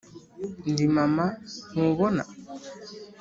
ndi mama, ntubona?